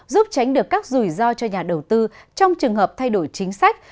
giúp tránh được các rủi ro cho nhà đầu tư trong trường hợp thay đổi chính sách